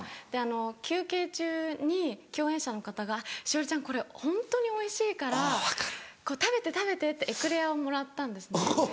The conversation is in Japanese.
休憩中に共演者の方が「栞里ちゃんこれホントにおいしいから食べて食べて」ってエクレアをもらったんですね。